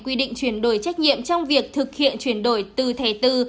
quy định chuyển đổi trách nhiệm trong việc thực hiện chuyển đổi từ thẻ tư